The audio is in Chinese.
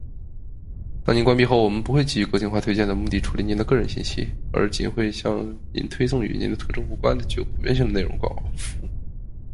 当您关闭后，我们不会基于个性化推荐的目的处理您的个人信息，而仅会向您推送与您的特征无关的、具有普遍性的内容、广告或服务。